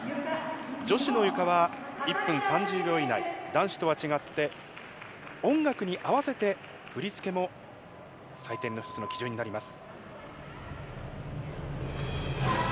女子のゆかは１分３０秒以内、男子とは違って、音楽に合わせて振り付けも採点の一つの基準になります。